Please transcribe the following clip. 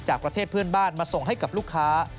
จากประเทศเพื่อนบ้านมาส่งให้กับลูกค้า